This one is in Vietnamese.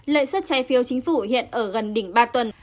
lợi suất trái phiếu chính phủ hiện ở gần đỉnh ba tuần